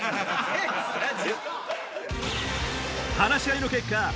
話し合いの結果